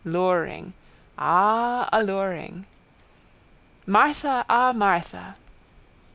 Luring. Ah, alluring. —_Martha! Ah, Martha!